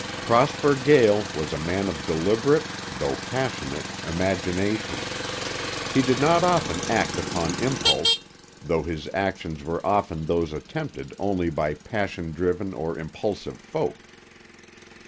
Prosper Gael was a man of deliberate, though passionate, imagination. He did not often act upon impulse, though his actions were often those attempted only by passion driven or impulsive folk.